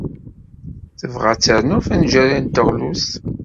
Tebɣa ad ternu afenjal n teɣlust.